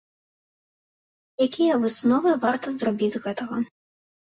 Якія высновы варта зрабіць з гэтага?